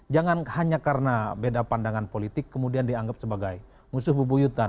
jangan hanya karena beda pandangan politik kemudian dianggap sebagai musuh bebuyutan